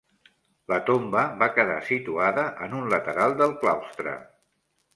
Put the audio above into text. La tomba va quedar situada en un lateral del claustre.